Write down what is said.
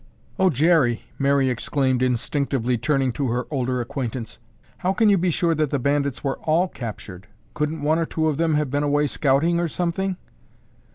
"Oh, Jerry," Mary exclaimed instinctively turning to her older acquaintance, "how can you be sure that the bandits were all captured? Couldn't one or two of them have been away scouting or something?"